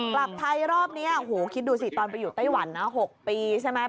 กลับไทยรอบนี้โอ้โหคิดดูสิตอนไปอยู่ไต้หวันนะ๖ปีใช่ไหม